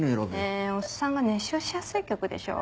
えおっさんが熱唱しやすい曲でしょ？